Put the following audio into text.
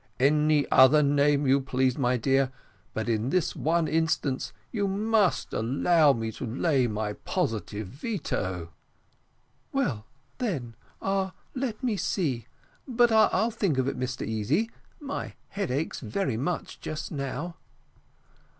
Any other name you please, my dear, but in this one instance you must allow me to lay my positive veto." "Well, then, let me see but I'll think of it, Mr Easy; my head aches very much just now."